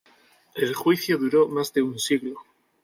El juicio duró más de un siglo.